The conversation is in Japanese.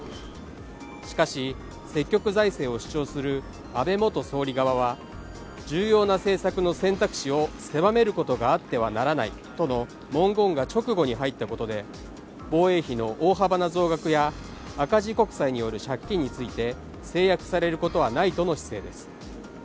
しかし、積極財政を主張する安倍元総理側は重要な政策の選択肢を狭めることがあってはならないとの文言が直後に入ったことで、防衛費の大幅な増額や赤字国債による借金について制約されることはないとの姿勢です。